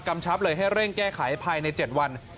ชับเลยให้เร่งแก้ไขภายใน๗วัน